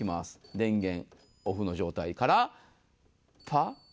電源オフの状態から、パッ。